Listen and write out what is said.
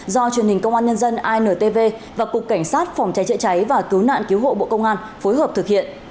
do truyền hình công an nhân dân intv và cục cảnh sát phòng cháy chữa cháy và cứu nạn cứu hộ bộ công an phối hợp thực hiện